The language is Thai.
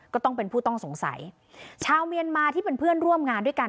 ก็ต้องเป็นผู้ต้องสงสัยชาวเมียนมาที่เป็นเพื่อนร่วมงานด้วยกัน